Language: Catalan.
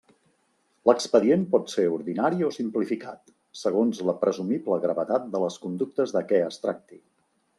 L'expedient pot ser ordinari o simplificat, segons la presumible gravetat de les conductes de què es tracti.